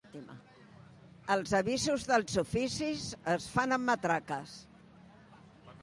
Els avisos dels oficis es fan amb matraques.